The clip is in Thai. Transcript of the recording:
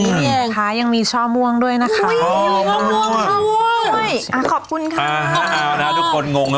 อ๋อนี่เป็นอีกเองค้ายังมีช่อมวงด้วยนะคะ